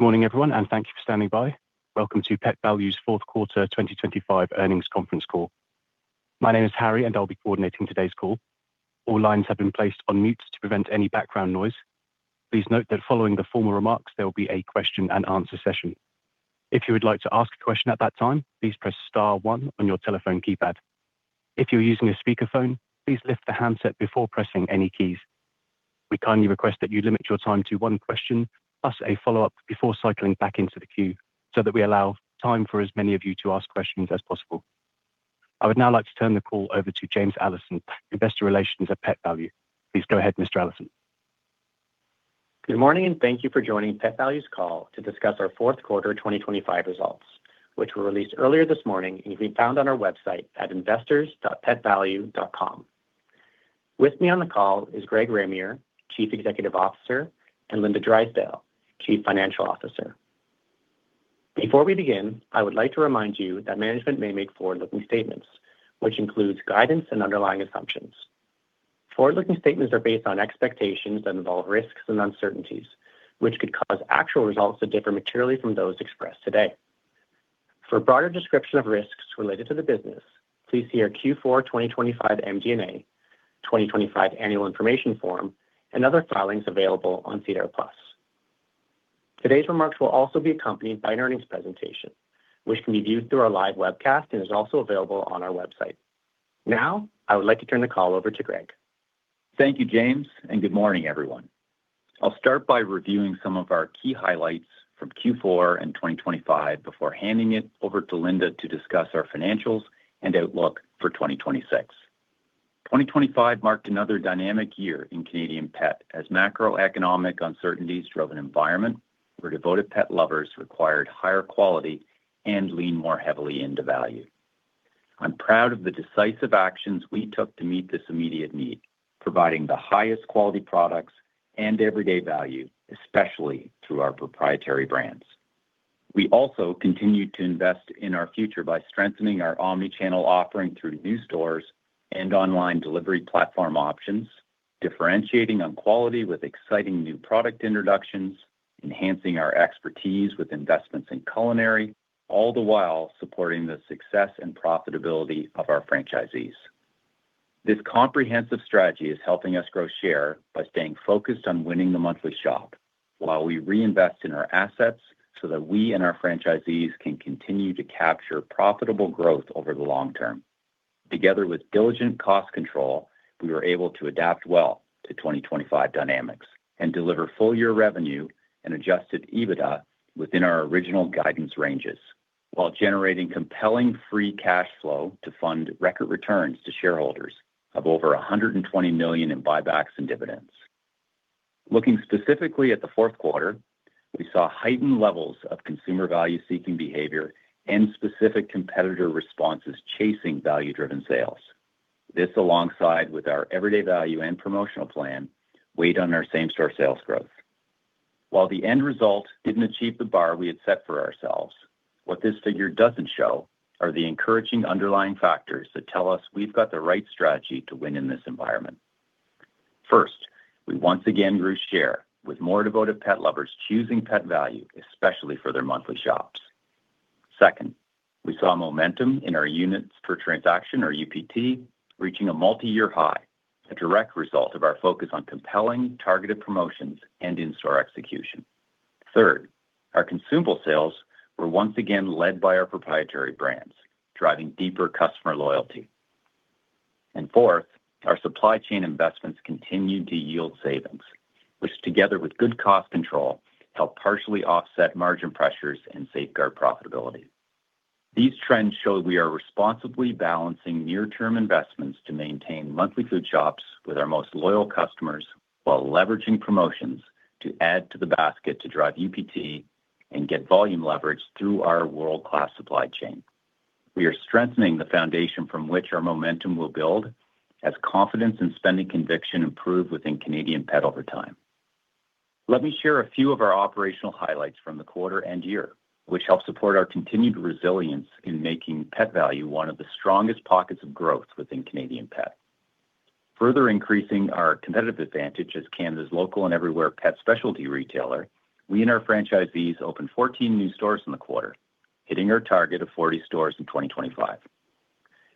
Good morning, everyone, and thank you for standing by. Welcome to Pet Valu's fourth quarter 2025 earnings conference call. My name is Harry, and I'll be coordinating today's call. All lines have been placed on mute to prevent any background noise. Please note that following the formal remarks, there will be a question-and-answer session. If you would like to ask a question at that time, please press star one on your telephone keypad. If you're using a speakerphone, please lift the handset before pressing any keys. We kindly request that you limit your time to one question plus a follow-up before cycling back into the queue, so that we allow time for as many of you to ask questions as possible. I would now like to turn the call over to James Allison, Investor Relations at Pet Valu. Please go ahead, Mr. Allison. Good morning. Thank you for joining Pet Valu's call to discuss our fourth quarter 2025 results, which were released earlier this morning and can be found on our website at investors.petvalu.com. With me on the call is Greg Ramier, Chief Executive Officer, and Linda Drysdale, Chief Financial Officer. Before we begin, I would like to remind you that management may make forward-looking statements, which includes guidance and underlying assumptions. Forward-looking statements are based on expectations that involve risks and uncertainties, which could cause actual results to differ materially from those expressed today. For a broader description of risks related to the business, please see our Q4 2025 MD&A, 2025 Annual Information Form, and other filings available on SEDAR+. Today's remarks will also be accompanied by an earnings presentation, which can be viewed through our live webcast and is also available on our website. Now, I would like to turn the call over to Greg. Thank you, James. Good morning, everyone. I'll start by reviewing some of our key highlights from Q4 and 2025 before handing it over to Linda to discuss our financials and outlook for 2026. 2025 marked another dynamic year in Canadian pet as macroeconomic uncertainties drove an environment where devoted pet lovers required higher quality and leaned more heavily into value. I'm proud of the decisive actions we took to meet this immediate need, providing the highest quality products and everyday value, especially through our proprietary brands. We also continued to invest in our future by strengthening our omni-channel offering through new stores and online delivery platform options, differentiating on quality with exciting new product introductions, enhancing our expertise with investments in culinary, all the while supporting the success and profitability of our franchisees. This comprehensive strategy is helping us grow share by staying focused on winning the monthly shop while we reinvest in our assets so that we and our franchisees can continue to capture profitable growth over the long term. Together with diligent cost control, we were able to adapt well to 2025 dynamics and deliver full year revenue and adjusted EBITDA within our original guidance ranges, while generating compelling free cash flow to fund record returns to shareholders of over 120 million in buybacks and dividends. Looking specifically at the fourth quarter, we saw heightened levels of consumer value-seeking behavior and specific competitor responses chasing value-driven sales. This, alongside with our everyday value and promotional plan, weighed on our same-store sales growth. While the end result didn't achieve the bar we had set for ourselves, what this figure doesn't show are the encouraging underlying factors that tell us we've got the right strategy to win in this environment. First, we once again grew share with more Devoted Pet Lovers choosing Pet Valu, especially for their monthly shops. Second, we saw momentum in our units per transaction, or UPT, reaching a multi-year high, a direct result of our focus on compelling targeted promotions and in-store execution. Third, our consumable sales were once again led by our proprietary brands, driving deeper customer loyalty. Fourth, our supply chain investments continued to yield savings, which together with good cost control, helped partially offset margin pressures and safeguard profitability. These trends show we are responsibly balancing near-term investments to maintain monthly food shops with our most loyal customers while leveraging promotions to add to the basket to drive UPT and get volume leverage through our world-class supply chain. We are strengthening the foundation from which our momentum will build as confidence and spending conviction improve within Canadian Pet over time. Let me share a few of our operational highlights from the quarter and year, which help support our continued resilience in making Pet Valu one of the strongest pockets of growth within Canadian Pet. Further increasing our competitive advantage as Canada's local and everywhere pet specialty retailer, we and our franchisees opened 14 new stores in the quarter, hitting our target of 40 stores in 2025.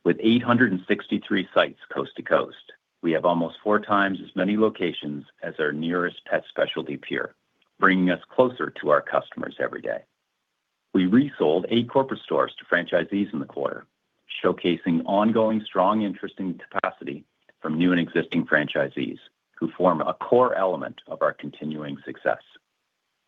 With 863 sites coast to coast, we have almost 4x as many locations as our nearest pet specialty peer, bringing us closer to our customers every day. We resold eight corporate stores to franchisees in the quarter, showcasing ongoing strong interest and capacity from new and existing franchisees who form a core element of our continuing success.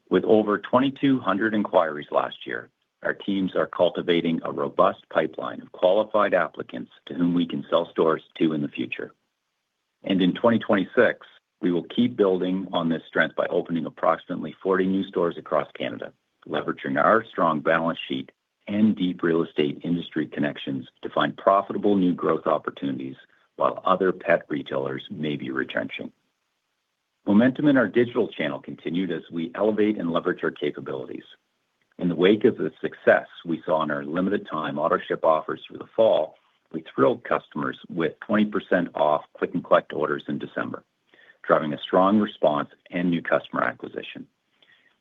With over 2,200 inquiries last year, our teams are cultivating a robust pipeline of qualified applicants to whom we can sell stores to in the future. In 2026, we will keep building on this strength by opening approximately 40 new stores across Canada, leveraging our strong balance sheet and deep real estate industry connections to find profitable new growth opportunities while other pet retailers may be retrenching. Momentum in our digital channel continued as we elevate and leverage our capabilities. In the wake of the success we saw in our limited time AutoShip offers through the fall, we thrilled customers with 20% off click and collect orders in December, driving a strong response and new customer acquisition.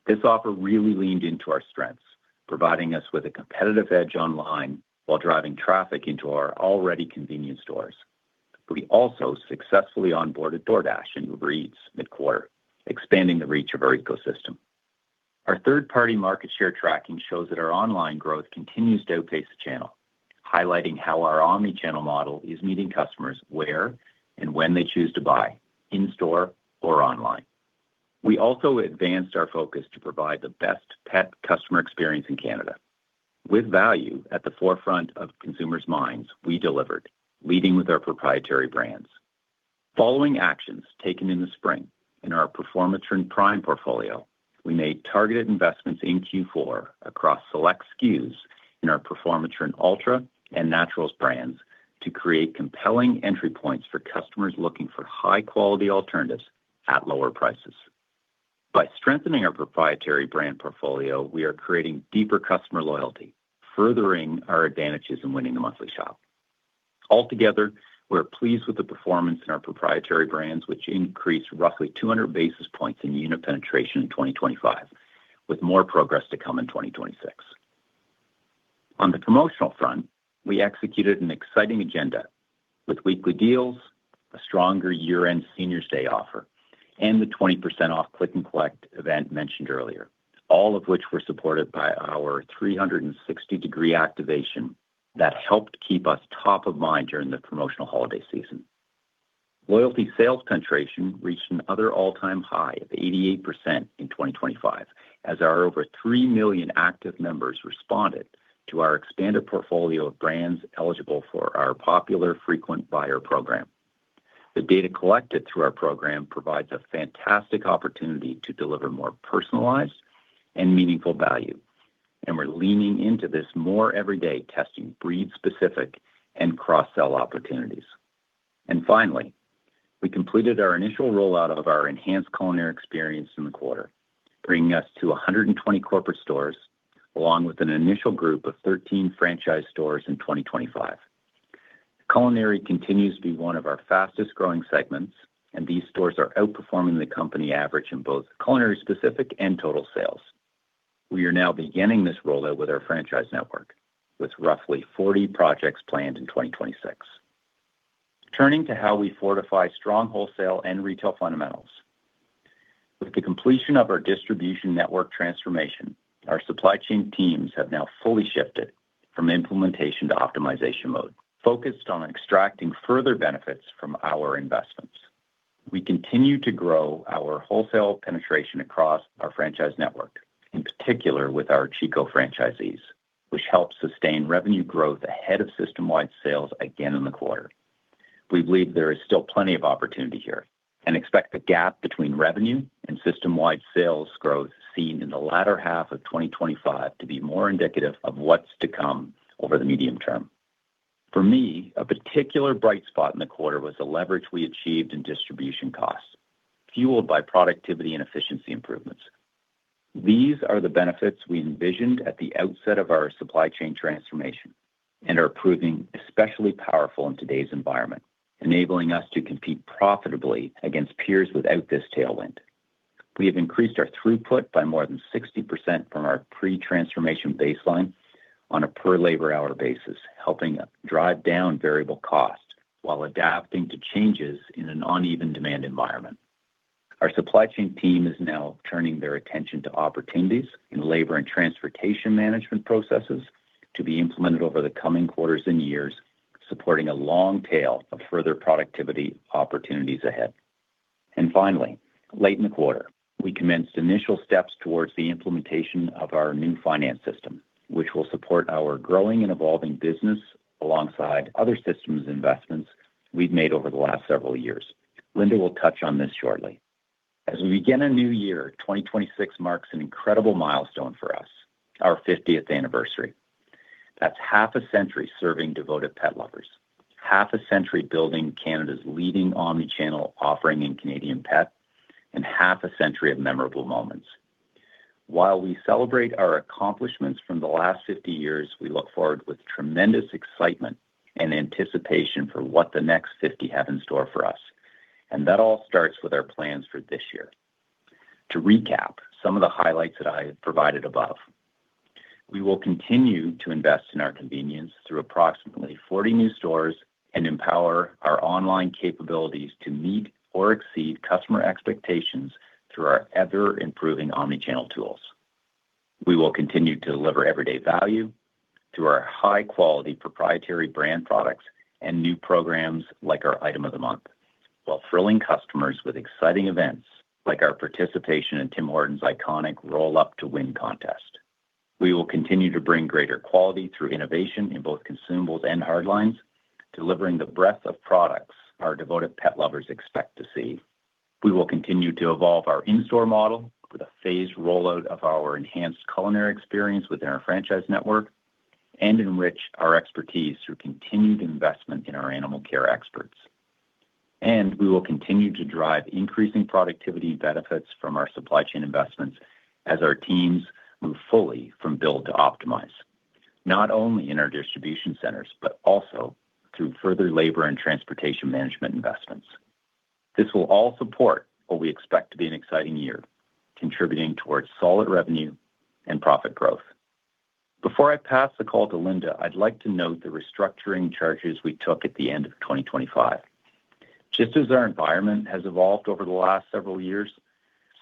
This offer really leaned into our strengths, providing us with a competitive edge online while driving traffic into our already convenient stores. We also successfully onboarded DoorDash and Uber Eats mid-quarter, expanding the reach of our ecosystem. Our third-party market share tracking shows that our online growth continues to outpace the channel, highlighting how our omni-channel model is meeting customers where and when they choose to buy, in store or online. We also advanced our focus to provide the best pet customer experience in Canada. With value at the forefront of consumers' minds, we delivered, leading with our proprietary brands. Following actions taken in the spring in our Performatrin Prime portfolio, we made targeted investments in Q4 across select SKUs in our Performatrin Ultra and Naturals brands to create compelling entry points for customers looking for high quality alternatives at lower prices. By strengthening our proprietary brand portfolio, we are creating deeper customer loyalty, furthering our advantages in winning the monthly shop. Altogether, we're pleased with the performance in our proprietary brands, which increased roughly 200 basis points in unit penetration in 2025, with more progress to come in 2026. On the promotional front, we executed an exciting agenda with weekly deals, a stronger year-end Senior's Day offer, and the 20% off click and collect event mentioned earlier, all of which were supported by our 360-degree activation that helped keep us top of mind during the promotional holiday season. Loyalty sales penetration reached another all time high of 88% in 2025, as our over 3 million active members responded to our expanded portfolio of brands eligible for our popular frequent buyer program. The data collected through our program provides a fantastic opportunity to deliver more personalized and meaningful value, and we're leaning into this more every day, testing breed specific and cross-sell opportunities. Finally, we completed our initial rollout of our enhanced culinary experience in the quarter, bringing us to 120 corporate stores along with an initial group of 13 franchise stores in 2025. Culinary continues to be one of our fastest-growing segments, and these stores are outperforming the company average in both culinary specific and total sales. We are now beginning this rollout with our franchise network with roughly 40 projects planned in 2026. Turning to how we fortify strong wholesale and retail fundamentals. With the completion of our distribution network transformation, our supply chain teams have now fully shifted from implementation to optimization mode, focused on extracting further benefits from our investments. We continue to grow our wholesale penetration across our franchise network, in particular with our Chico franchisees, which helps sustain revenue growth ahead of system-wide sales again in the quarter. We believe there is still plenty of opportunity here and expect the gap between revenue and system-wide sales growth seen in the latter half of 2025 to be more indicative of what's to come over the medium term. A particular bright spot in the quarter was the leverage we achieved in distribution costs, fueled by productivity and efficiency improvements. These are the benefits we envisioned at the outset of our supply chain transformation and are proving especially powerful in today's environment, enabling us to compete profitably against peers without this tailwind. We have increased our throughput by more than 60% from our pre-transformation baseline on a per labor hour basis, helping drive down variable costs while adapting to changes in an uneven demand environment. Our supply chain team is now turning their attention to opportunities in labor and transportation management processes to be implemented over the coming quarters and years, supporting a long tail of further productivity opportunities ahead. Finally, late in the quarter, we commenced initial steps towards the implementation of our new finance system, which will support our growing and evolving business alongside other systems investments we've made over the last several years. Linda will touch on this shortly. As we begin a new year, 2026 marks an incredible milestone for us, our 50th anniversary. That's half a century serving devoted pet lovers, half a century building Canada's leading omni-channel offering in Canadian pet, and half a century of memorable moments. While we celebrate our accomplishments from the last 50 years, we look forward with tremendous excitement and anticipation for what the next 50 have in store for us, and that all starts with our plans for this year. To recap some of the highlights that I have provided above, we will continue to invest in our convenience through approximately 40 new stores and empower our online capabilities to meet or exceed customer expectations through our ever improving omni-channel tools. We will continue to deliver everyday value through our high quality proprietary brand products and new programs like our Item of the Month, while thrilling customers with exciting events like our participation in Tim Hortons iconic Roll Up to Win contest. We will continue to bring greater quality through innovation in both consumables and hard lines, delivering the breadth of products our devoted pet lovers expect to see. We will continue to evolve our in-store model with a phased rollout of our enhanced culinary experience within our franchise network and enrich our expertise through continued investment in our animal care experts. We will continue to drive increasing productivity benefits from our supply chain investments as our teams move fully from build to optimize, not only in our distribution centers, but also through further labor and transportation management investments. This will all support what we expect to be an exciting year, contributing towards solid revenue and profit growth. Before I pass the call to Linda, I'd like to note the restructuring charges we took at the end of 2025. Just as our environment has evolved over the last several years,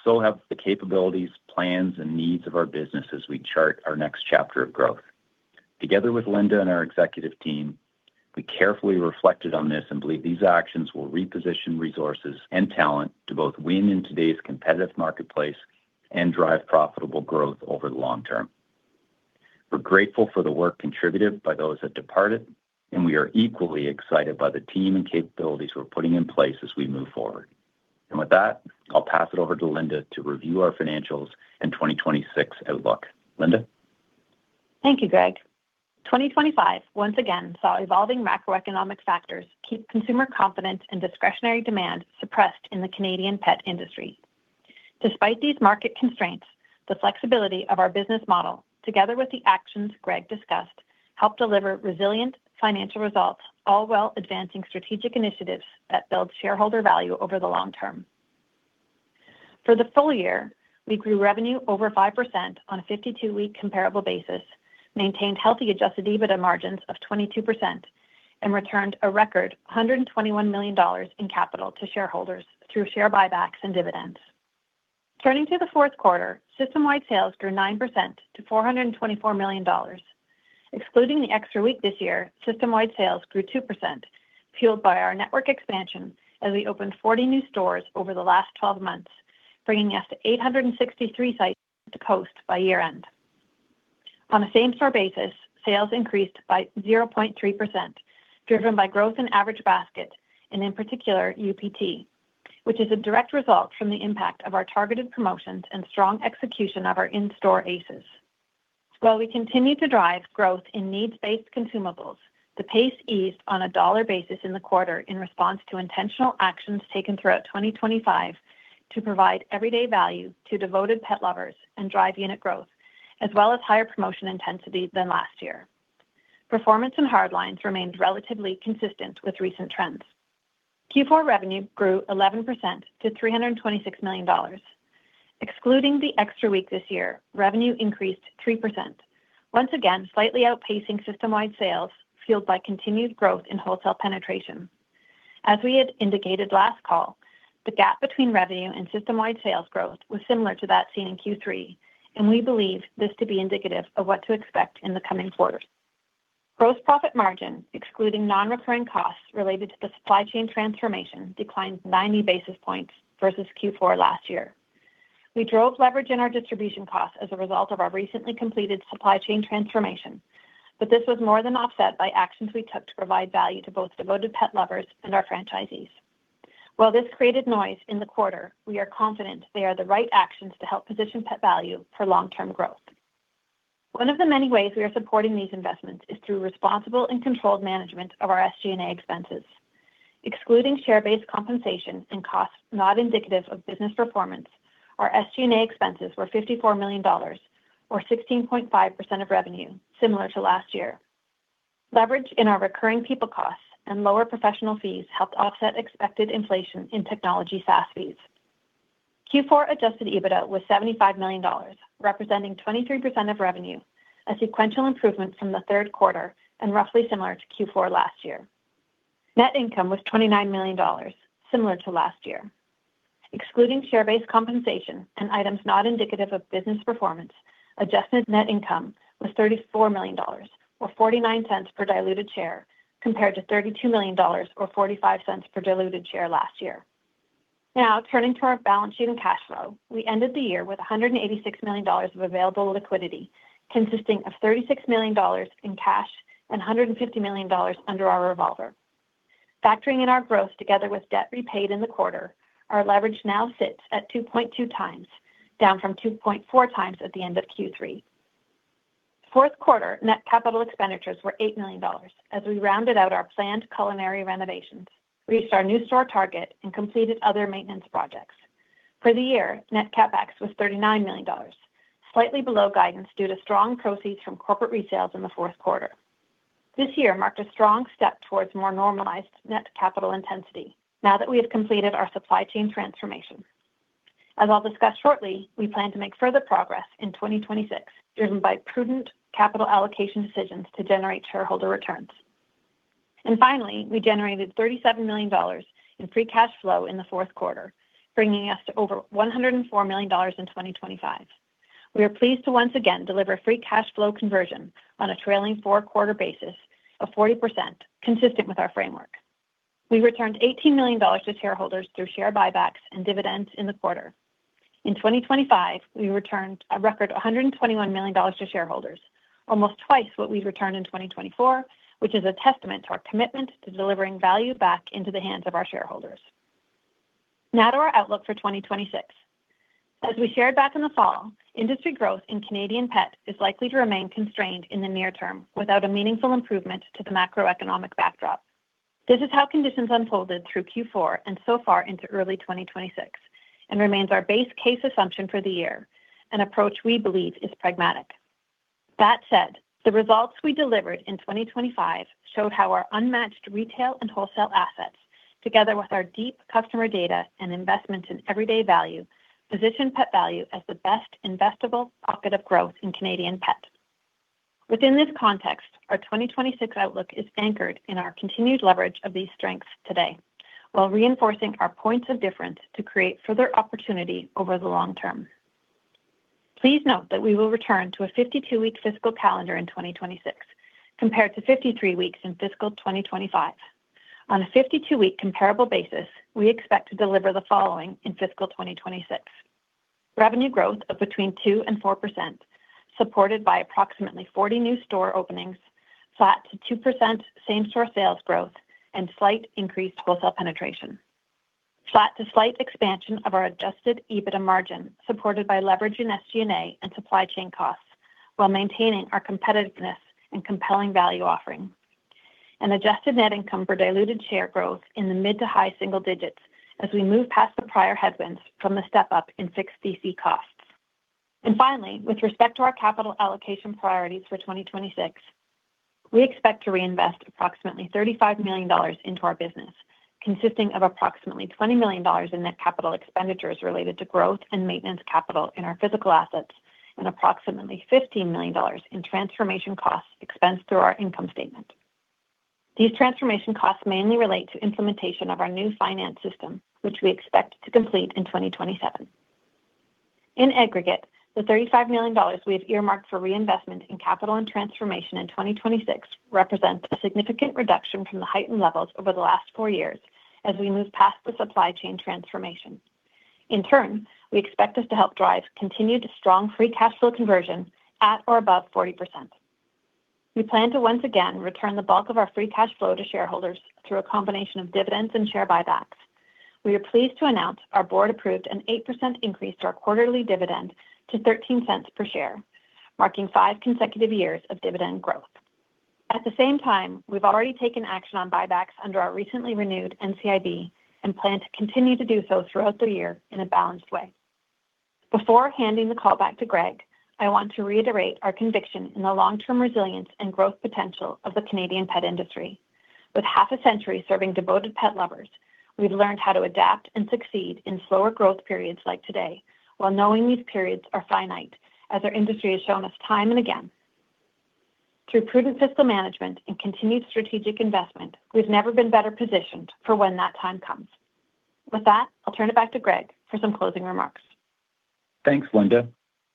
so have the capabilities, plans, and needs of our business as we chart our next chapter of growth. Together with Linda and our executive team, we carefully reflected on this and believe these actions will reposition resources and talent to both win in today's competitive marketplace and drive profitable growth over the long term. We're grateful for the work contributed by those that departed, and we are equally excited by the team and capabilities we're putting in place as we move forward. With that, I'll pass it over to Linda to review our financials and 2026 outlook. Linda. Thank you, Greg. 2025 once again saw evolving macroeconomic factors keep consumer confidence and discretionary demand suppressed in the Canadian pet industry. Despite these market constraints, the flexibility of our business model, together with the actions Greg discussed, helped deliver resilient financial results, all while advancing strategic initiatives that build shareholder value over the long term. For the full year, we grew revenue over 5% on a 52-week comparable basis, maintained healthy adjusted EBITDA margins of 22%, and returned a record 121 million dollars in capital to shareholders through share buybacks and dividends. Turning to the fourth quarter, system-wide sales grew 9% to 424 million dollars. Excluding the extra week this year, system-wide sales grew 2%, fueled by our network expansion as we opened 40 new stores over the last 12 months, bringing us to 863 sites to post by year-end. On a same store basis, sales increased by 0.3%, driven by growth in average basket and in particular UPT, which is a direct result from the impact of our targeted promotions and strong execution of our in-store ACEs. While we continue to drive growth in needs-based consumables, the pace eased on a dollar basis in the quarter in response to intentional actions taken throughout 2025 to provide everyday value to devoted pet lovers and drive unit growth, as well as higher promotion intensity than last year. Performance in hard lines remained relatively consistent with recent trends. Q4 revenue grew 11% to 326 million dollars. Excluding the extra week this year, revenue increased 3%. Once again, slightly outpacing system-wide sales, fueled by continued growth in wholesale penetration. As we had indicated last call, the gap between revenue and system-wide sales growth was similar to that seen in Q3, and we believe this to be indicative of what to expect in the coming quarters. Gross profit margin, excluding non-recurring costs related to the supply chain transformation, declined 90 basis points versus Q4 last year. We drove leverage in our distribution costs as a result of our recently completed supply chain transformation, but this was more than offset by actions we took to provide value to both Devoted Pet Lovers and our franchisees. While this created noise in the quarter, we are confident they are the right actions to help position Pet Valu for long-term growth. One of the many ways we are supporting these investments is through responsible and controlled management of our SG&A expenses. Excluding share-based compensation and costs not indicative of business performance, our SG&A expenses were 54 million dollars or 16.5% of revenue, similar to last year. Leverage in our recurring people costs and lower professional fees helped offset expected inflation in technology SaaS fees. Q4 adjusted EBITDA was 75 million dollars, representing 23% of revenue, a sequential improvement from the third quarter and roughly similar to Q4 last year. Net income was 29 million dollars, similar to last year. Excluding share-based compensation and items not indicative of business performance, adjusted net income was 34 million dollars or 0.49 per diluted share, compared to 32 million dollars or 0.45 per diluted share last year. Now, turning to our balance sheet and cash flow. We ended the year with 186 million dollars of available liquidity, consisting of 36 million dollars in cash and 150 million dollars under our revolver. Factoring in our growth together with debt repaid in the quarter, our leverage now sits at 2.2x, down from 2.4x at the end of Q3. Fourth quarter net capital expenditures were 8 million dollars as we rounded out our planned culinary renovations, reached our new store target, and completed other maintenance projects. For the year, net CapEx was 39 million dollars, slightly below guidance due to strong proceeds from corporate resales in the fourth quarter. This year marked a strong step towards more normalized net capital intensity now that we have completed our supply chain transformation. As I'll discuss shortly, we plan to make further progress in 2026, driven by prudent capital allocation decisions to generate shareholder returns. Finally, we generated 37 million dollars in free cash flow in the fourth quarter, bringing us to over 104 million dollars in 2025. We are pleased to once again deliver free cash flow conversion on a trailing four-quarter basis of 40%, consistent with our framework. We returned 18 million dollars to shareholders through share buybacks and dividends in the quarter. In 2025, we returned a record 121 million dollars to shareholders, almost twice what we've returned in 2024, which is a testament to our commitment to delivering value back into the hands of our shareholders. To our outlook for 2026. As we shared back in the fall, industry growth in Canadian pet is likely to remain constrained in the near term without a meaningful improvement to the macroeconomic backdrop. This is how conditions unfolded through Q4 and so far into early 2026 and remains our base case assumption for the year, an approach we believe is pragmatic. That said, the results we delivered in 2025 showed how our unmatched retail and wholesale assets, together with our deep customer data and investments in everyday value, position Pet Valu as the best investable pocket of growth in Canadian pet. Within this context, our 2026 outlook is anchored in our continued leverage of these strengths today while reinforcing our points of difference to create further opportunity over the long term. Please note that we will return to a 52-week fiscal calendar in 2026 compared to 53 weeks in fiscal 2025. On a 52-week comparable basis, we expect to deliver the following in fiscal 2026. Revenue growth of between 2% and 4%, supported by approximately 40 new store openings, flat to 2% same store sales growth and slight increased wholesale penetration. Flat to slight expansion of our adjusted EBITDA margin, supported by leveraging SG&A and supply chain costs while maintaining our competitiveness and compelling value offering. An adjusted net income for diluted share growth in the mid to high single digits as we move past the prior headwinds from the step up in fixed DC costs. Finally, with respect to our capital allocation priorities for 2026, we expect to reinvest approximately 35 million dollars into our business, consisting of approximately 20 million dollars in net capital expenditures related to growth and maintenance capital in our physical assets and approximately 15 million dollars in transformation costs expensed through our income statement. These transformation costs mainly relate to implementation of our new finance system, which we expect to complete in 2027. In aggregate, the 35 million dollars we have earmarked for reinvestment in capital and transformation in 2026 represents a significant reduction from the heightened levels over the last four years as we move past the supply chain transformation. In turn, we expect this to help drive continued strong free cash flow conversion at or above 40%. We plan to once again return the bulk of our free cash flow to shareholders through a combination of dividends and share buybacks. We are pleased to announce our board approved an 8% increase to our quarterly dividend to $0.13 per share, marking five consecutive years of dividend growth. At the same time, we've already taken action on buybacks under our recently renewed NCIB and plan to continue to do so throughout the year in a balanced way. Before handing the call back to Greg, I want to reiterate our conviction in the long term resilience and growth potential of the Canadian pet industry. With half a century serving devoted pet lovers, we've learned how to adapt and succeed in slower growth periods like today, while knowing these periods are finite, as our industry has shown us time and again. Through prudent fiscal management and continued strategic investment, we've never been better positioned for when that time comes. With that, I'll turn it back to Greg for some closing remarks. Thanks, Linda.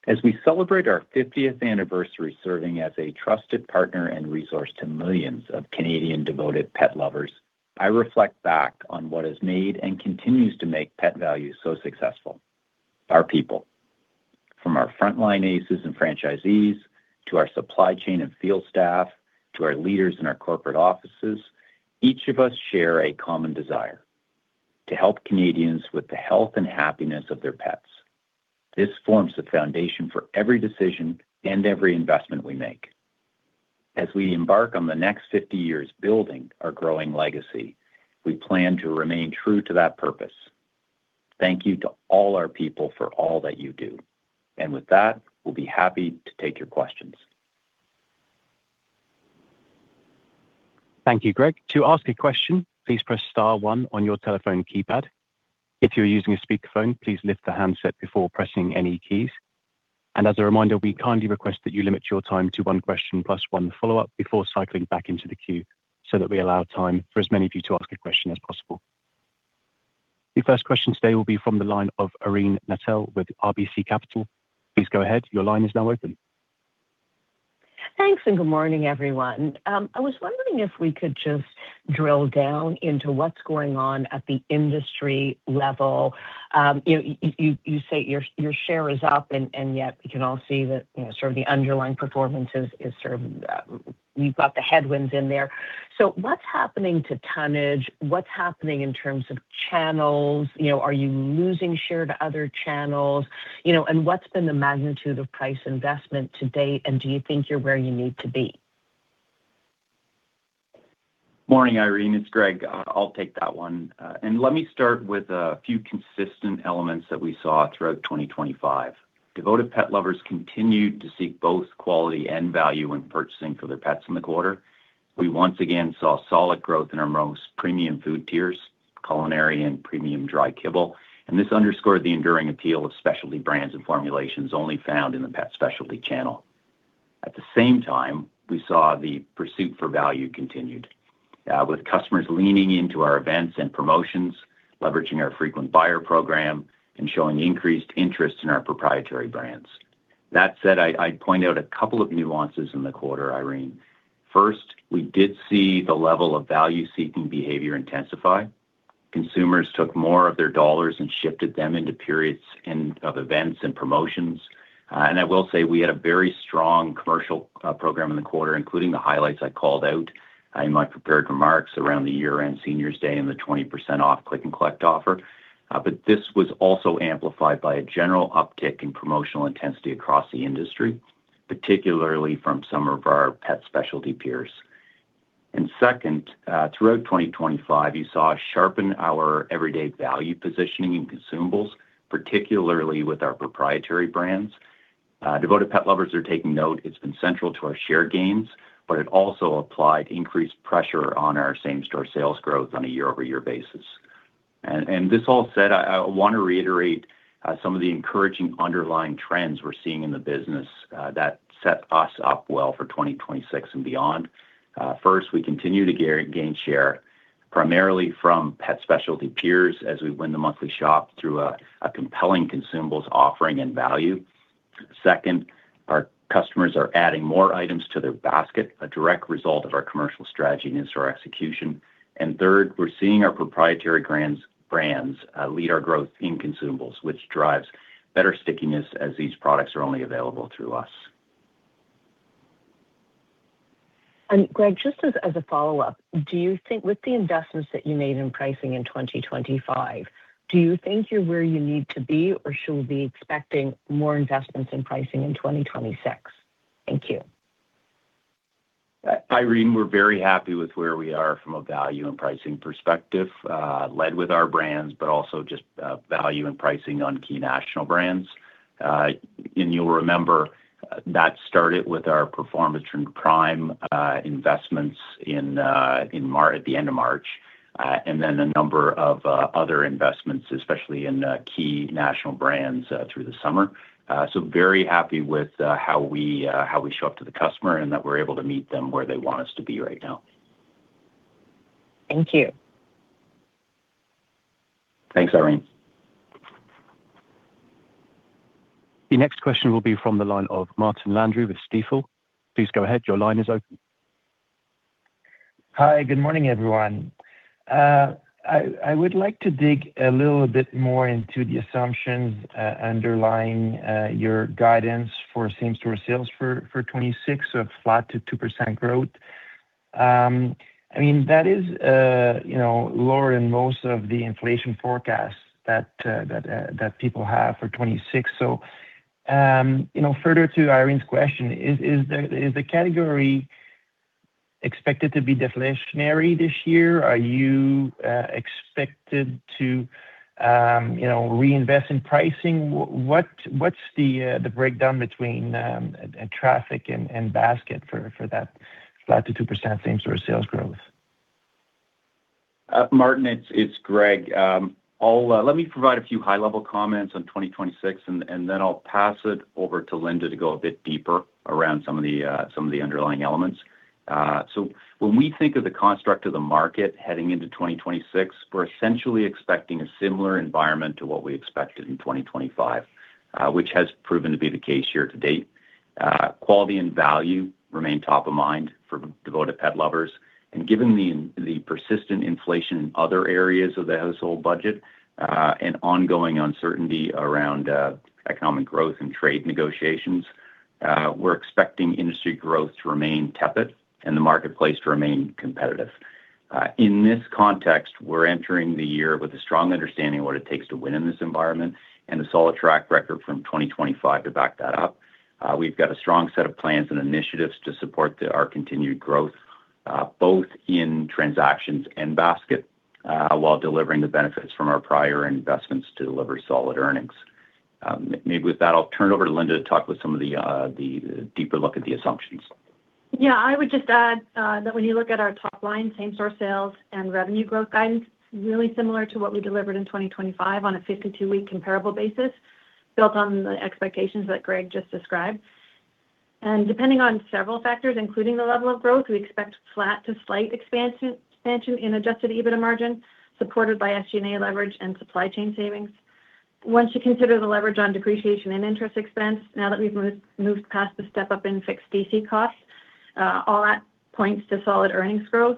As we celebrate our fiftieth anniversary serving as a trusted partner and resource to millions of Canadian devoted pet lovers, I reflect back on what has made and continues to make Pet Valu so successful, our people. From our frontline ACEs and franchisees to our supply chain and field staff to our leaders in our corporate offices, each of us share a common desire: to help Canadians with the health and happiness of their pets. This forms the foundation for every decision and every investment we make. As we embark on the next 50 years building our growing legacy, we plan to remain true to that purpose. Thank you to all our people for all that you do. With that, we'll be happy to take your questions. Thank you, Greg. To ask a question, please press star one on your telephone keypad. If you're using a speakerphone, please lift the handset before pressing any keys. As a reminder, we kindly request that you limit your time to one question plus one follow-up before cycling back into the queue, so that we allow time for as many of you to ask a question as possible. The first question today will be from the line of Irene Nattel with RBC Capital Markets. Please go ahead. Your line is now open. Thanks, good morning, everyone. I was wondering if we could just drill down into what's going on at the industry level. You know, you say your share is up and yet we can all see that, you know, sort of the underlying performance is sort of, you've got the headwinds in there. What's happening to tonnage? What's happening in terms of channels? You know, are you losing share to other channels? You know, what's been the magnitude of price investment to date, and do you think you're where you need to be? Morning, Irene. It's Greg. I'll take that one. Let me start with a few consistent elements that we saw throughout 2025. Devoted Pet Lovers continued to seek both quality and value when purchasing for their pets in the quarter. We once again saw solid growth in our most premium food tiers, Culinary and Premium Dry Kibble, this underscored the enduring appeal of specialty brands and formulations only found in the pet specialty channel. At the same time, we saw the pursuit for value continued with customers leaning into our events and promotions, leveraging our frequent buyer program, and showing increased interest in our proprietary brands. That said, I'd point out a couple of nuances in the quarter, Irene. First, we did see the level of value-seeking behavior intensify. Consumers took more of their dollars and shifted them into periods and of events and promotions. I will say we had a very strong commercial program in the quarter, including the highlights I called out in my prepared remarks around the year-end Senior's Day and the 20% off click and collect offer. This was also amplified by a general uptick in promotional intensity across the industry, particularly from some of our pet specialty peers. Second, throughout 2025, you saw us sharpen our everyday value positioning in consumables, particularly with our proprietary brands. Devoted Pet Lovers are taking note. It's been central to our share gains, but it also applied increased pressure on our same-store sales growth on a year-over-year basis. This all said, I wanna reiterate some of the encouraging underlying trends we're seeing in the business that set us up well for 2026 and beyond. First, we continue to gain share, primarily from pet specialty peers as we win the monthly shop through a compelling consumables offering and value. Second, our customers are adding more items to their basket, a direct result of our commercial strategy and store execution. Third, we're seeing our proprietary brands lead our growth in consumables, which drives better stickiness as these products are only available through us. Greg, just as a follow-up, do you think with the investments that you made in pricing in 2025, do you think you're where you need to be, or should we be expecting more investments in pricing in 2026? Thank you. Irene, we're very happy with where we are from a value and pricing perspective, led with our brands, but also just value and pricing on key national brands. You'll remember that started with our Performatrin Prime investments at the end of March, then a number of other investments, especially in key national brands through the summer. Very happy with how we show up to the customer, and that we're able to meet them where they want us to be right now. Thank you. Thanks, Irene. The next question will be from the line of Martin Landry with Stifel. Please go ahead, your line is open. Hi. Good morning, everyone. I would like to dig a little bit more into the assumptions underlying your guidance for same-store sales for 2026 of flat to 2% growth. I mean, that is, you know, lower than most of the inflation forecasts that people have for 2026. You know, further to Irene's question, is the category expected to be deflationary this year? Are you expected to, you know, reinvest in pricing? What's the breakdown between traffic and basket for that flat to 2% same-store sales growth? Martin, it's Greg. I'll let me provide a few high-level comments on 2026, and then I'll pass it over to Linda to go a bit deeper around some of the underlying elements. So when we think of the construct of the market heading into 2026, we're essentially expecting a similar environment to what we expected in 2025, which has proven to be the case year to date. Quality and value remain top of mind for Devoted Pet Lovers. Given the persistent inflation in other areas of the household budget, and ongoing uncertainty around economic growth and trade negotiations, we're expecting industry growth to remain tepid and the marketplace to remain competitive. In this context, we're entering the year with a strong understanding of what it takes to win in this environment and a solid track record from 2025 to back that up. We've got a strong set of plans and initiatives to support our continued growth, both in transactions and basket, while delivering the benefits from our prior investments to deliver solid earnings. Maybe with that, I'll turn it over to Linda to talk with some of the deeper look at the assumptions. Yeah. I would just add that when you look at our top line, same-store sales and revenue growth guidance, really similar to what we delivered in 2025 on a 52-week comparable basis, built on the expectations that Greg just described. Depending on several factors, including the level of growth, we expect flat to slight expansion in adjusted EBITDA margin, supported by SG&A leverage and supply chain savings. Once you consider the leverage on depreciation and interest expense, now that we've moved past the step-up in fixed DC costs, all that points to solid earnings growth.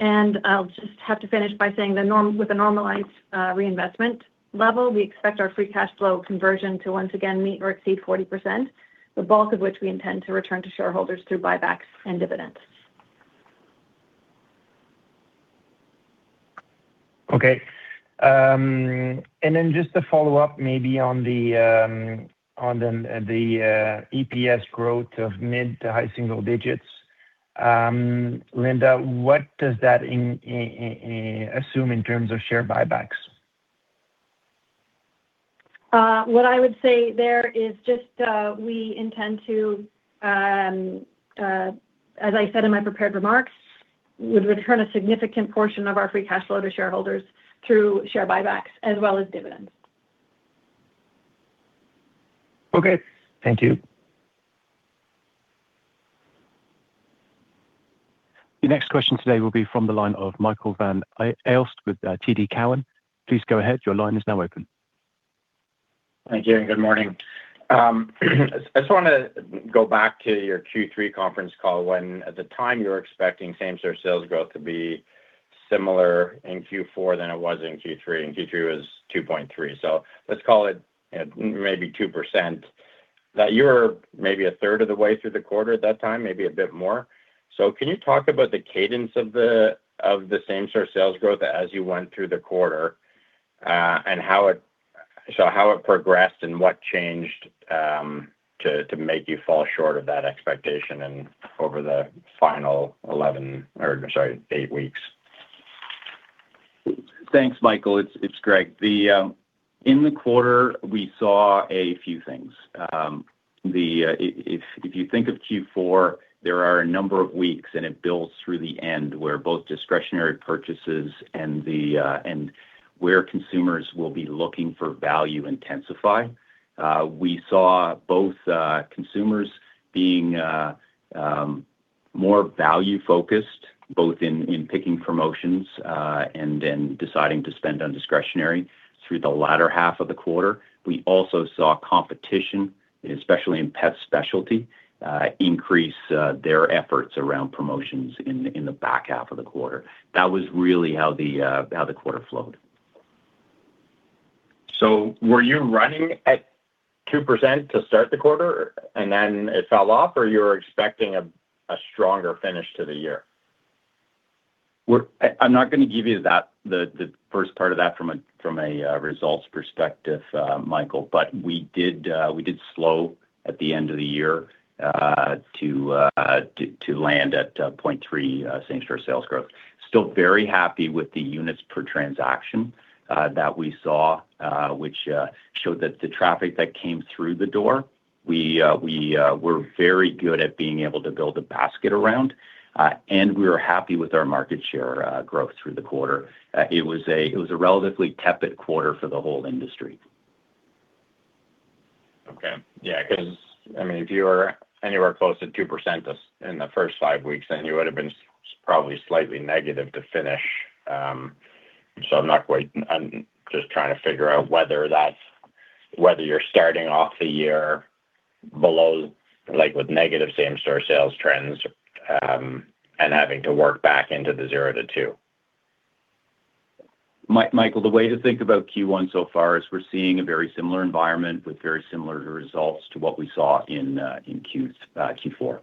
I'll just have to finish by saying with a normalized reinvestment level, we expect our free cash flow conversion to once again meet or exceed 40%, the bulk of which we intend to return to shareholders through buybacks and dividends. Okay. Then just to follow up maybe on the on the EPS growth of mid to high single digits. Linda, what does that assume in terms of share buybacks? What I would say there is just, we intend to, as I said in my prepared remarks, would return a significant portion of our free cash flow to shareholders through share buybacks as well as dividends. Okay. Thank you. The next question today will be from the line of Michael Van Aelst with TD Cowen. Please go ahead, your line is now open. Thank you, and good morning. I just wanna go back to your Q3 conference call when at the time you were expecting same-store sales growth to be similar in Q4 than it was in Q3, and Q3 was 2.3. Let's call it, and maybe 2%. You're maybe a third of the way through the quarter at that time, maybe a bit more. Can you talk about the cadence of the same-store sales growth as you went through the quarter, and how it progressed and what changed to make you fall short of that expectation and over the final 11 or sorry, eight weeks? Thanks, Michael. It's Greg. The, in the quarter, we saw a few things. The if you think of Q4, there are a number of weeks, and it builds through the end, where both discretionary purchases and where consumers will be looking for value intensify. We saw both consumers being more value-focused, both in picking promotions, and then deciding to spend on discretionary through the latter half of the quarter. We also saw competition, especially in pet specialty, increase their efforts around promotions in the back half of the quarter. That was really how the quarter flowed. Were you running at 2% to start the quarter and then it fell off, or you're expecting a stronger finish to the year? I'm not gonna give you that, the first part of that from a results perspective, Michael. We did slow at the end of the year to land at 0.3% same store sales growth. Still very happy with the units per transaction that we saw, which showed that the traffic that came through the door, we were very good at being able to build a basket around, and we were happy with our market share growth through the quarter. It was a relatively tepid quarter for the whole industry. Yeah, 'cause, I mean, if you were anywhere close to 2% in the first five weeks, you would've been probably slightly negative to finish. I'm just trying to figure out whether that's, whether you're starting off the year below, like, with negative same store sales trends, and having to work back into the zero to two. Michael, the way to think about Q1 so far is we're seeing a very similar environment with very similar results to what we saw in Q, Q4. All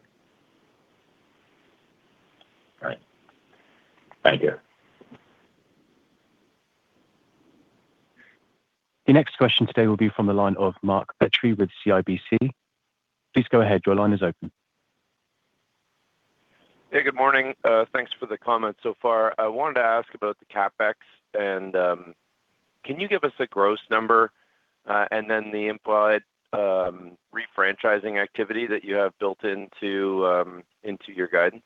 right. Thank you. The next question today will be from the line of Mark Petrie with CIBC. Please go ahead. Your line is open. Hey, good morning. Thanks for the comments so far. I wanted to ask about the CapEx and, can you give us a gross number, and then the implied refranchising activity that you have built into your guidance?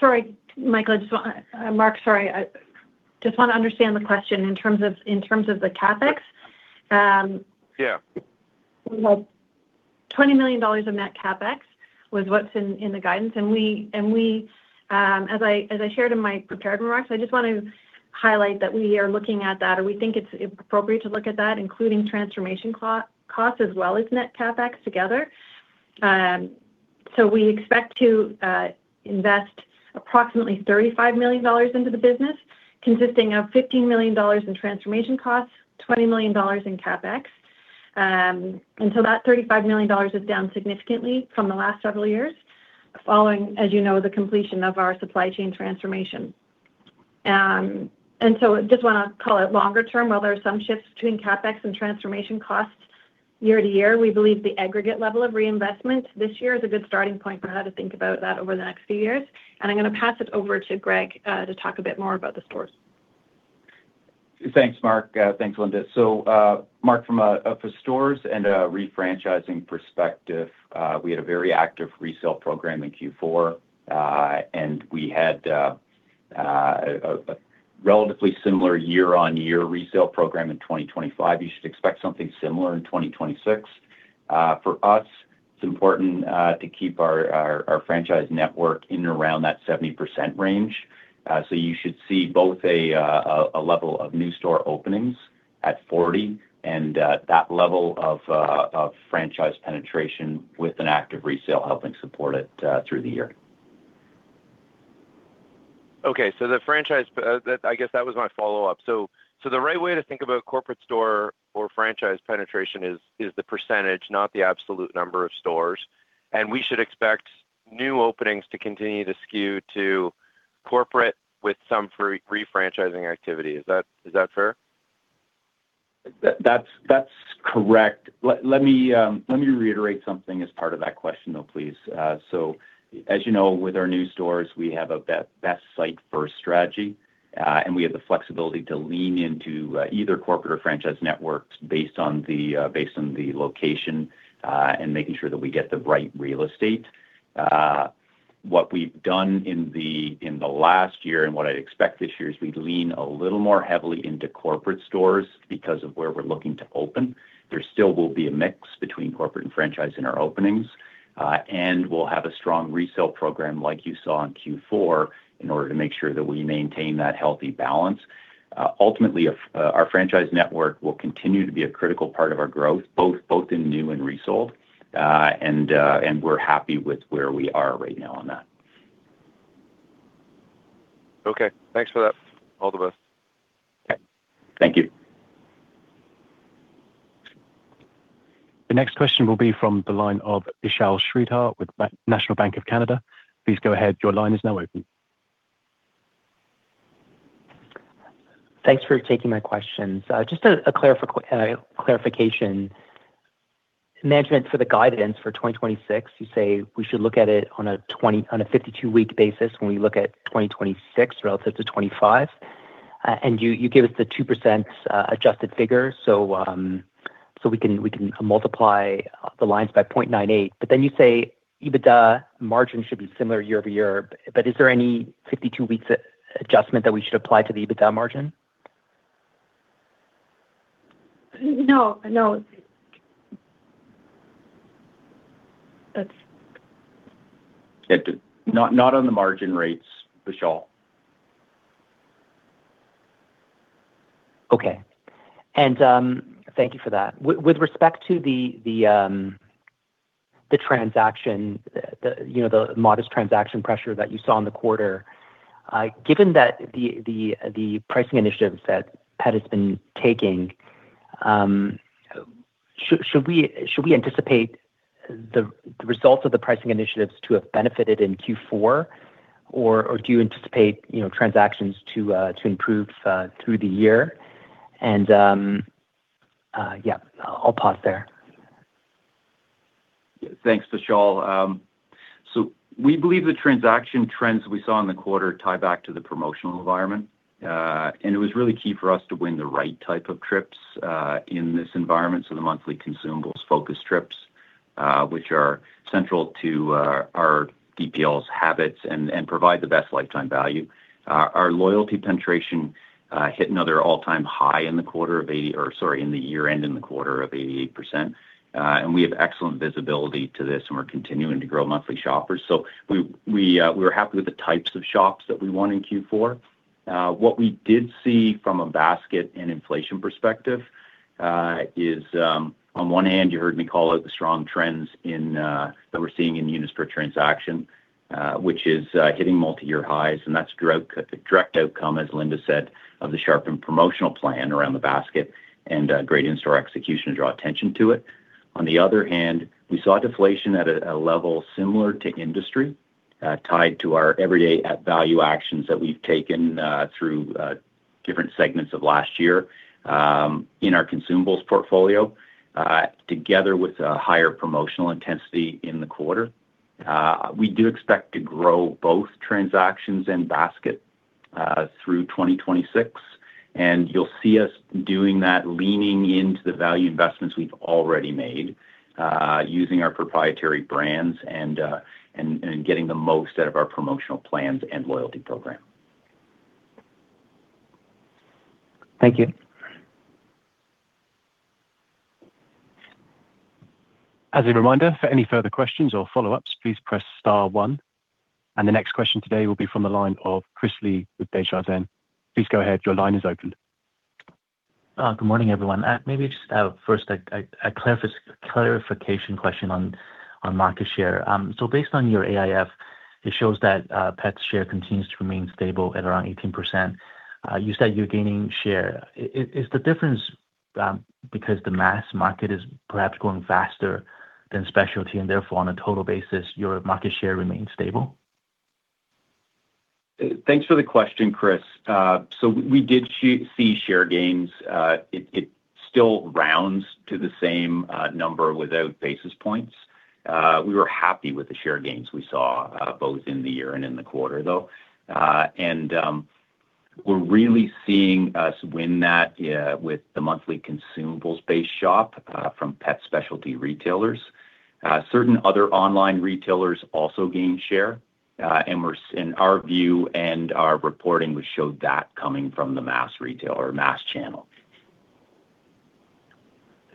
Sorry, Michael. Mark, sorry. I just wanna understand the question in terms of the CapEx. Yeah. We had 20 million dollars of net CapEx was what's in the guidance. We, as I shared in my prepared remarks, I just want to highlight that we are looking at that, or we think it's appropriate to look at that, including transformation cost as well as net CapEx together. We expect to invest approximately 35 million dollars into the business, consisting of 15 million dollars in transformation costs, 20 million dollars in CapEx. That 35 million dollars is down significantly from the last several years, following, as you know, the completion of our supply chain transformation. Just wanna call it longer term. While there are some shifts between CapEx and transformation costs year to year, we believe the aggregate level of reinvestment this year is a good starting point for how to think about that over the next few years. I'm gonna pass it over to Greg to talk a bit more about the stores. Thanks, Mark. Thanks, Linda. Mark, from a stores and a refranchising perspective, we had a very active resale program in Q4, and we had a relatively similar year-over-year resale program in 2025. You should expect something similar in 2026. It's important to keep our franchise network in and around that 70% range. You should see both a level of new store openings at 40% and that level of franchise penetration with an active resale helping support it through the year. Okay. The franchise that, I guess that was my follow-up. The right way to think about corporate store or franchise penetration is the percentage, not the absolute number of stores. We should expect new openings to continue to skew to corporate with some refranchising activity. Is that fair? That's correct. Let me reiterate something as part of that question, though, please. As you know, with our new stores, we have a best site first strategy, and we have the flexibility to lean into either corporate or franchise networks based on the location, making sure that we get the right real estate. What we've done in the last year and what I expect this year is we lean a little more heavily into corporate stores because of where we're looking to open. There still will be a mix between corporate and franchise in our openings, and we'll have a strong resale program like you saw in Q4 in order to make sure that we maintain that healthy balance. Our franchise network will continue to be a critical part of our growth, both in new and resold, and we're happy with where we are right now on that. Okay, thanks for that. All the best. Okay. Thank you. The next question will be from the line of Vishal Shreedhar with National Bank of Canada. Please go ahead. Your line is now open. Thanks for taking my questions. Just a clarification. Management for the guidance for 2026, you say we should look at it on a 52-week basis when we look at 2026 relative to 2025, and you give us the 2%, adjusted figure. We can multiply the lines by 0.98. You say EBITDA margin should be similar year-over-year. Is there any 52-week adjustment that we should apply to the EBITDA margin? No, no. That's not on the margin rates, Vishal. Okay. Thank you for that. With respect to the transaction, the, you know, the modest transaction pressure that you saw in the quarter, given that the pricing initiatives that Pet has been taking, should we anticipate the results of the pricing initiatives to have benefited in Q4 or do you anticipate, you know, transactions to improve through the year? Yeah, I'll pause there. Thanks, Vishal. We believe the transaction trends we saw in the quarter tie back to the promotional environment. It was really key for us to win the right type of trips in this environment. The monthly consumables-focused trips, which are central to our DPL's habits and provide the best lifetime value. Our loyalty penetration hit another all-time high in the quarter of 88%. We have excellent visibility to this, and we're continuing to grow monthly shoppers. We were happy with the types of shops that we won in Q4. What we did see from a basket and inflation perspective, is on one hand, you heard me call out the strong trends that we're seeing in units per transaction, which is hitting multi-year highs, and that's direct outcome, as Linda said, of the sharpened promotional plan around the basket and great in-store execution to draw attention to it. On the other hand, we saw deflation at a level similar to industry, tied to our everyday at value actions that we've taken through different segments of last year in our consumables portfolio, together with a higher promotional intensity in the quarter. We do expect to grow both transactions and basket through 2026, and you'll see us doing that, leaning into the value investments we've already made, using our proprietary brands and getting the most out of our promotional plans and loyalty program. Thank you. As a reminder, for any further questions or follow-ups, please press star one. The next question today will be from the line of Chris Li with Desjardins. Please go ahead. Your line is open. Good morning, everyone. Maybe just first a clarification question on market share. So based on your AIF, it shows that Pet's share continues to remain stable at around 18%. You said you're gaining share. Is the difference because the mass market is perhaps growing faster than specialty, therefore, on a total basis, your market share remains stable? Thanks for the question, Chris. We did see share gains. It still rounds to the same number without basis points. We were happy with the share gains we saw both in the year and in the quarter, though. We're really seeing us win that, yeah, with the monthly consumables-based shop from pet specialty retailers. Certain other online retailers also gained share, and our view and our reporting, which showed that coming from the mass retail or mass channel.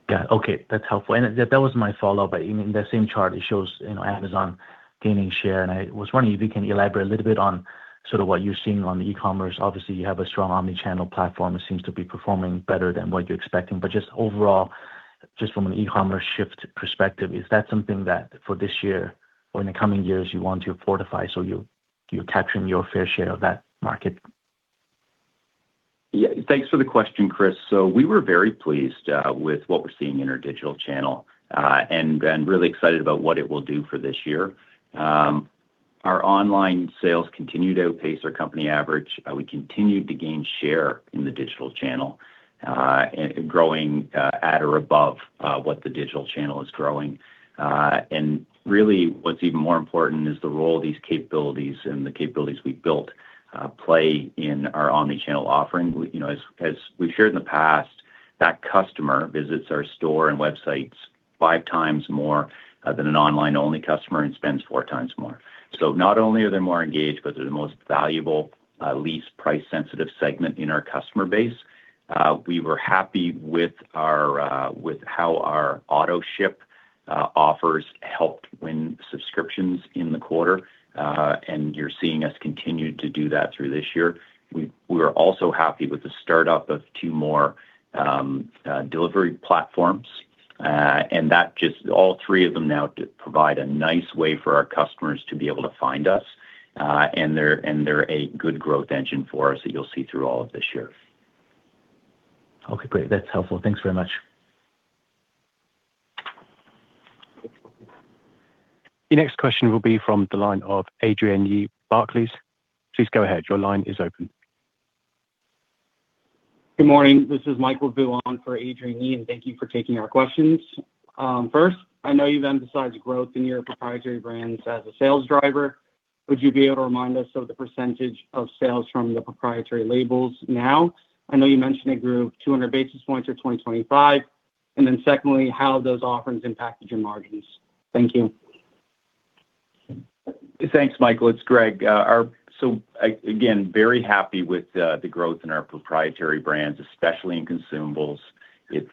Got it. Okay. That's helpful. That was my follow-up. In that same chart, it shows, you know, Amazon gaining share, and I was wondering if you can elaborate a little bit on sort of what you're seeing on the e-commerce. Obviously, you have a strong omni-channel platform that seems to be performing better than what you're expecting. Just overall, just from an e-commerce shift perspective, is that something that for this year or in the coming years you want to fortify so you're capturing your fair share of that market? Yeah. Thanks for the question, Chris. So we were very pleased, uh, with what we're seeing in our digital channel, uh, and, and really excited about what it will do for this year. Um, our online sales continue to outpace our company average. Uh, we continued to gain share in the digital channel, uh, growing, uh, at or above, uh, what the digital channel is growing. Uh, and really, what's even more important is the role these capabilities and the capabilities we've built, uh, play in our omni-channel offering. We, you know, as, as we've shared in the past, that customer visits our store and websites 5x more, uh, than an online-only customer and spends 4x more. So not only are they more engaged, but they're the most valuable, uh, least price-sensitive segment in our customer base. We were happy with our, with how our AutoShip offers helped win subscriptions in the quarter. You're seeing us continue to do that through this year. We are also happy with the start-up of two more delivery platforms. That just all three of them now to provide a nice way for our customers to be able to find us, and they're a good growth engine for us that you'll see through all of this year. Okay, great. That's helpful. Thanks very much. The next question will be from the line of Adrienne Yih, Barclays. Please go ahead. Your line is open. Good morning. This is Michael Vu on for Adrienne Yih, thank you for taking our questions. First, I know you've emphasized growth in your proprietary brands as a sales driver. Would you be able to remind us of the percentage of sales from the proprietary labels now? I know you mentioned it grew 200 basis points through 2025. Secondly, how those offerings impact your margins. Thank you. Thanks, Michael. It's Greg. Again, very happy with the growth in our proprietary brands, especially in consumables. It,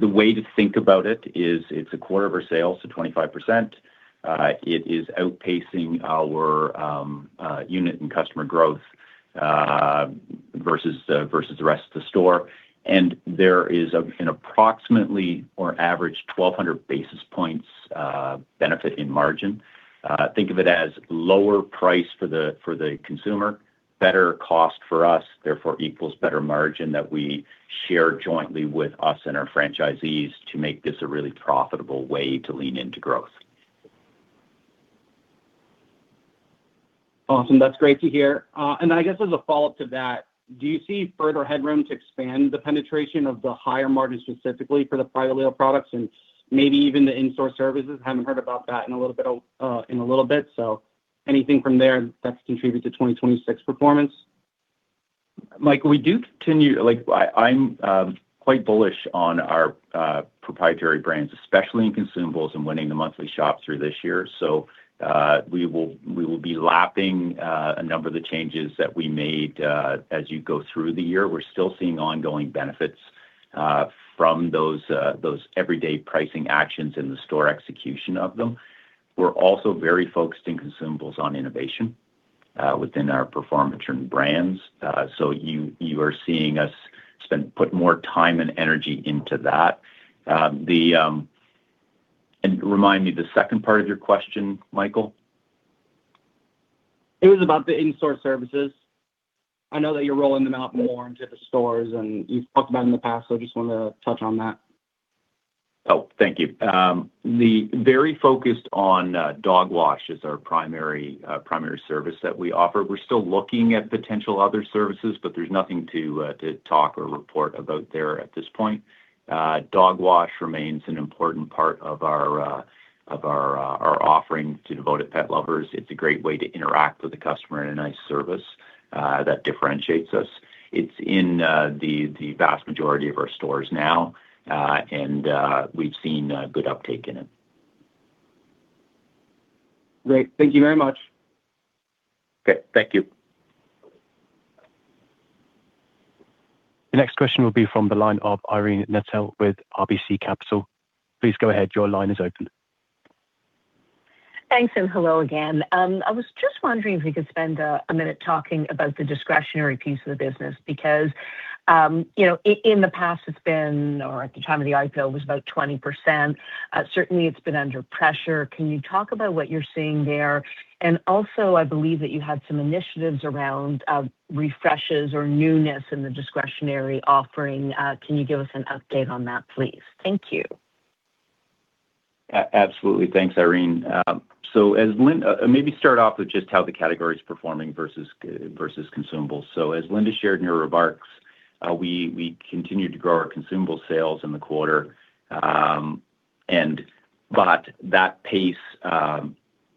the way to think about it is it's a quarter of our sales, so 25%. It is outpacing our unit and customer growth versus the rest of the store. There is an approximately or average 1,200 basis points benefit in margin. Think of it as lower price for the consumer, better cost for us, therefore equals better margin that we share jointly with us and our franchisees to make this a really profitable way to lean into growth. Awesome. That's great to hear. I guess as a follow-up to that, do you see further headroom to expand the penetration of the higher margin specifically for the private label products and maybe even the in-store services? Haven't heard about that in a little bit, anything from there that's contributed to 2026 performance? Michael, we do continue. Like, I'm quite bullish on our proprietary brands, especially in consumables and winning the monthly shop through this year. We will be lapping a number of the changes that we made as you go through the year. We're still seeing ongoing benefits from those everyday pricing actions in the store execution of them. We're also very focused in consumables on innovation within our Performatrin brands. You are seeing us spend, put more time and energy into that. The... Remind me the second part of your question, Michael. It was about the in-store services. I know that you're rolling them out more into the stores, and you've talked about in the past, so just wanna touch on that. Thank you. The very focused on dog wash is our primary service that we offer. We're still looking at potential other services, there's nothing to talk or report about there at this point. Dog wash remains an important part of our offering to Devoted Pet Lovers. It's a great way to interact with the customer in a nice service that differentiates us. It's in the vast majority of our stores now and we've seen good uptake in it. Great. Thank you very much. Okay. Thank you. The next question will be from the line of Irene Nattel with RBC Capital. Please go ahead. Your line is open. Thanks, hello again. I was just wondering if we could spend a minute talking about the discretionary piece of the business because, you know, in the past it's been, or at the time of the IPO, it was about 20%. Certainly it's been under pressure. Can you talk about what you're seeing there? Also, I believe that you had some initiatives around, refreshes or newness in the discretionary offering. Can you give us an update on that, please? Thank you. Absolutely. Thanks, Irene. As Linda, maybe start off with just how the category is performing versus consumables. As Linda shared in her remarks, we continued to grow our consumable sales in the quarter, that pace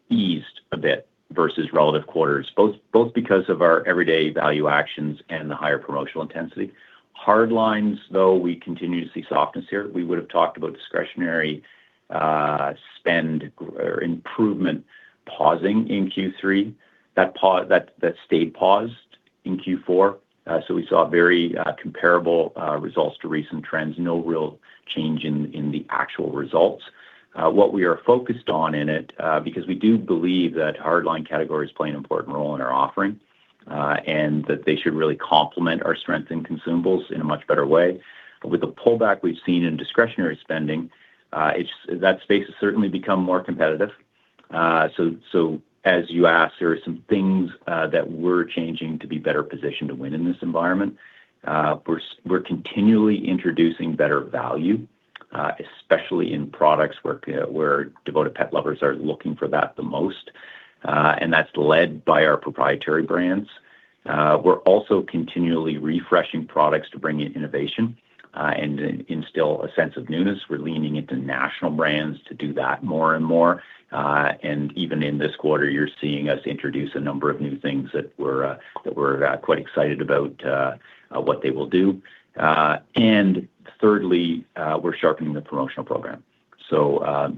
eased a bit versus relative quarters, both because of our everyday value actions and the higher promotional intensity. Hard lines, though, we continue to see softness here. We would have talked about discretionary spend or improvement pausing in Q3. That stayed paused in Q4. We saw very comparable results to recent trends, no real change in the actual results. What we are focused on in it, because we do believe that hard line categories play an important role in our offering, and that they should really complement our strengths and consumables in a much better way. With the pullback we've seen in discretionary spending, that space has certainly become more competitive. As you asked, there are some things that we're changing to be better positioned to win in this environment. We're continually introducing better value, especially in products where Devoted Pet Lovers are looking for that the most, and that's led by our proprietary brands. We're also continually refreshing products to bring in innovation, and instill a sense of newness. We're leaning into national brands to do that more and more. Even in this quarter, you're seeing us introduce a number of new things that we're quite excited about what they will do. Thirdly, we're sharpening the promotional program. An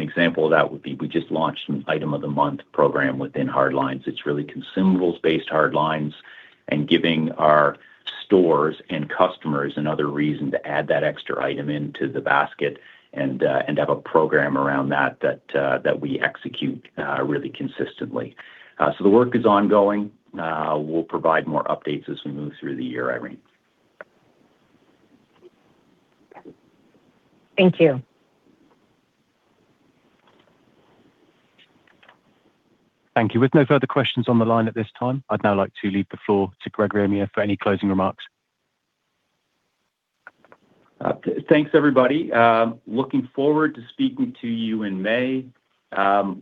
example of that would be, we just launched an Item of the Month program within Hardlines. It's really consumables-based Hardlines giving our stores and customers another reason to add that extra item into the basket and have a program around that we execute really consistently. The work is ongoing. We'll provide more updates as we move through the year, Irene. Thank you. Thank you. With no further questions on the line at this time, I'd now like to leave the floor to Greg Ramier for any closing remarks. Thanks, everybody. Looking forward to speaking to you in May.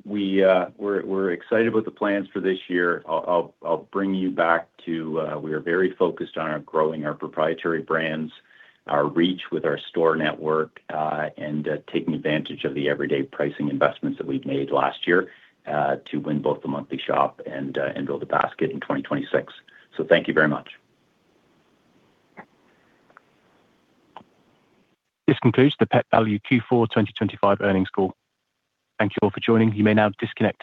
We're excited with the plans for this year. I'll bring you back to, we are very focused on growing our proprietary brands, our reach with our store network, and taking advantage of the everyday pricing investments that we've made last year, to win both the monthly shop and build the basket in 2026. Thank you very much. This concludes the Pet Valu Q4 2025 earnings call. Thank you all for joining. You may now disconnect.